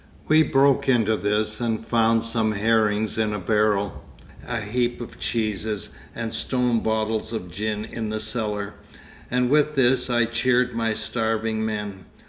We broke into this and found some herrings in a barrel, a heap of cheeses, and stone bottles of gin in the cellar; and with this I cheered my starving men.